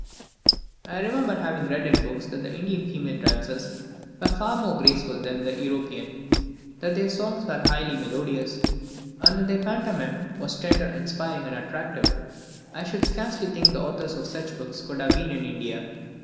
I remember having read in books that the Indian female dancers were far more graceful than the European, that their songs were highly melodious, and that their pantomime was tender, inspiring, and attractive. I should scarcely think the authors of such books could have been in India!